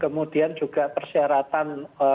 kemudian juga persyaratan